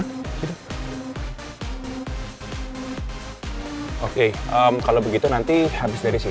oh ya tuk tas pant il saling